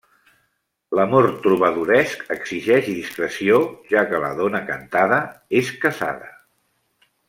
L'amor trobadoresc exigeix discreció, ja que la dona cantada és casada.